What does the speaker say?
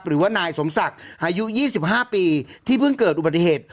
หรือว่านายสมศักดิ์อายุ๒๕ปีที่เพิ่งเกิดอุบัติเหตุ